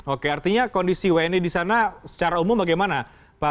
oke artinya kondisi wni di sana secara umum bagaimana pak